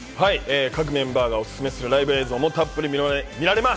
各メンバーがオススメするライブ映像もたっぷり見られます。